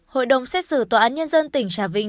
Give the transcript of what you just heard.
hội đồng xét xử tòa án nhân dân tỉnh trà vinh